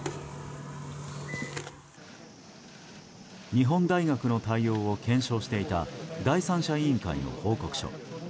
日本大学の対応を検証していた第三者委員会の報告書。